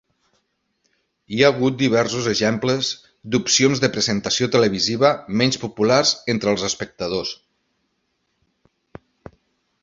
Hi ha hagut diversos exemples d'opcions de presentació televisiva menys populars entre els espectadors.